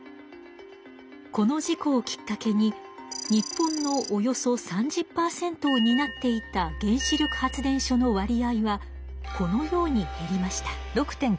この事故をきっかけに日本のおよそ３０％をになっていた原子力発電所の割合はこのように減りました。